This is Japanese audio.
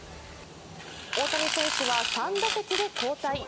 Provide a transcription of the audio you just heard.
大谷選手は３打席で交代。